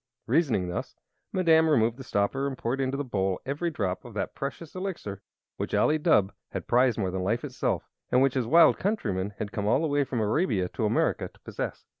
Reasoning thus, Madame removed the stopper and poured into the bowl every drop of that precious Elixir which Ali Dubh had prized more than life itself, and which his wild countrymen had come all the way from Arabia to America to possess.